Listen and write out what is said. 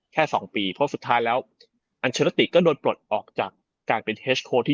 แค่สองปีเพราะสุดท้ายแล้วอันเฉลติก็โดนปลดออกจากการเป็นที่